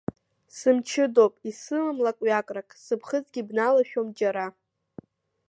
Сымчыдоуп, исымам лак-ҩакрак, сыԥхыӡгьы бналашәом џьара.